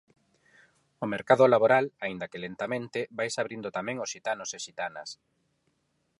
O mercado laboral, aínda que lentamente, vaise abrindo tamén aos xitanos e xitanas.